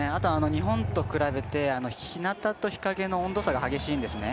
日本と比べてひなたと日影の温度差が激しいんですね。